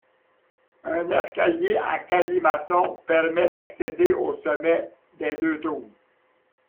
Un escalier en colimaçon permet d'accéder au sommet des deux tours.